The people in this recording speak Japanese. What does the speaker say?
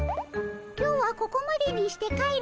今日はここまでにして帰るかの。